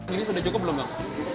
ini sudah cukup belum bang